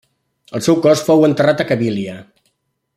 El seu cos fou enterrat a Cabília.